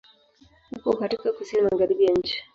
Uko katika Kusini Magharibi ya nchi.